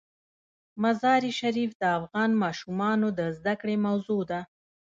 مزارشریف د افغان ماشومانو د زده کړې موضوع ده.